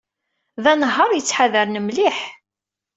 D anehhar yettḥadaren mliḥ.